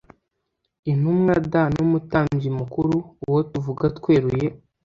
intumwa d n umutambyi mukuru uwo tuvuga tweruye